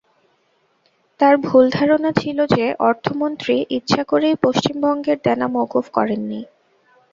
তাঁর ভুল ধারণা ছিল যে অর্থমন্ত্রী ইচ্ছা করেই পশ্চিমবঙ্গের দেনা মওকুফ করেননি।